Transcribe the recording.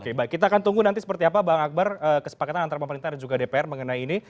oke baik kita akan tunggu nanti seperti apa bang akbar kesepakatan antara pemerintah dan juga dpr mengenai ini